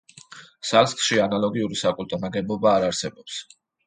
სალსკში ანალოგიური საკულტო ნაგებობა არ არსებობს.